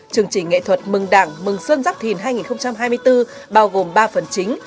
chương trình nghệ thuật mừng đảng mừng xuân giáp thìn hai nghìn hai mươi bốn bao gồm ba phần chính